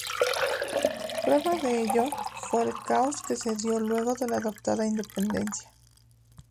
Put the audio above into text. Prueba de ello, fue el caos que se dio luego de adoptada la independencia.